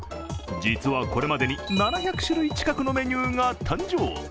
実はこれまでに７００種類近くのメニューが誕生。